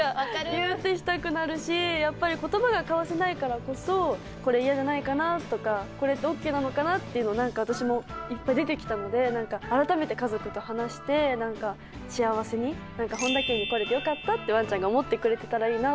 ギュッてしたくなるしやっぱり言葉が交わせないからこそこれ嫌じゃないかなとかこれってオッケーなのかなっていうのを何か私もいっぱい出てきたので改めて家族と話して何か幸せにってワンちゃんが思ってくれてたらいいなと思うので。